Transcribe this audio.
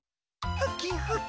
フキフキ。